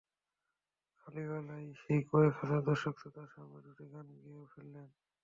খালি গলায় সেই কয়েক হাজার দর্শক-শ্রোতার সামনে দুটি গান গেয়েও ফেললেন।